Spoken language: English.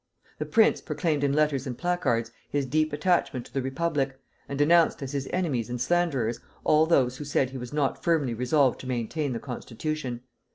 The prince proclaimed in letters and placards his deep attachment to the Republic, and denounced as his enemies and slanderers all those who said he was not firmly resolved to maintain the constitution.